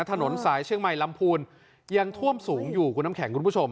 ถนนสายเชียงใหม่ลำพูนยังท่วมสูงอยู่คุณน้ำแข็งคุณผู้ชม